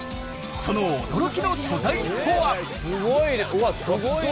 その驚きの素材とは！？